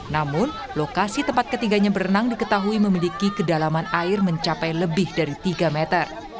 namun lokasi tempat ketiganya berenang diketahui memiliki kedalaman air mencapai lebih dari tiga meter